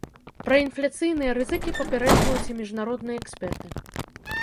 Пра інфляцыйныя рызыкі папярэджваюць і міжнародныя эксперты.